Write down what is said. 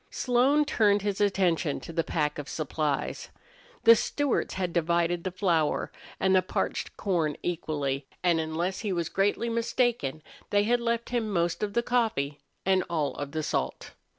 Slone turned his attention to the pack of supplies. The Stewarts had divided the flour and the parched corn equally, and unless he was greatly mistaken they had left him most of the coffee and all of the salt.